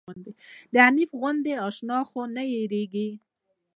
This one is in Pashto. د حنيف غوندې اشنا خو نه هيريږي